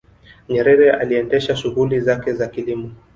nyerere aliendesha shughuli zake za kilimo